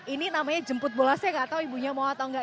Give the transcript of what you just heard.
ini namanya jemput bola saya nggak tahu ibunya mau atau enggak